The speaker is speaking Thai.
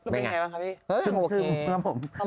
เป็นอย่างไงบ้าง